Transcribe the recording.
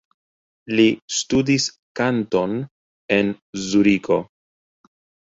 Li studis kanton en Zuriko.